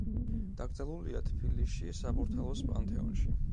დაკრძალულია თბილისში, საბურთალოს პანთეონში.